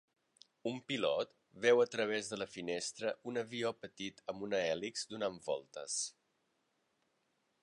Un pilot veu a través de la finestra un avió petit amb una hèlix donant voltes